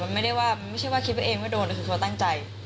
มันไม่ได้ว่าไม่ใช่ว่าคิดเพื่อเองไว้โดนแต่มันคือเขาตั้งใจ